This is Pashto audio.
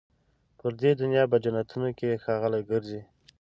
پر دې دنیا په جنتونو کي ښاغلي ګرځي